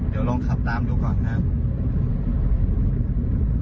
เดี๋ยวลองขับตามดูก่อนนะครับ